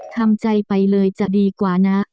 ทำใจไปเลยจะดีกว่านะ